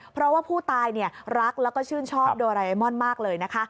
เพราะว่าผู้ตายรักแล้วก็ชื่นชอบโดไรมอนมากเลยนะคะ